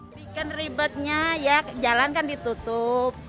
dibikin ribetnya ya jalan kan ditutup